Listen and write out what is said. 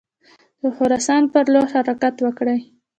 د خراسان پر لور حرکت وکړي.